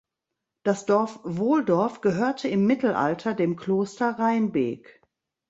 Das Dorf Wohldorf gehörte im Mittelalter dem Kloster Reinbek.